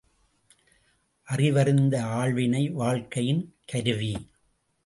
அறிவறிந்த ஆள்வினை வாழ்க்கையின் கருவி.